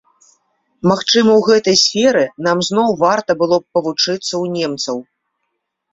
Магчыма, у гэтай сферы нам зноў варта было б павучыцца ў немцаў.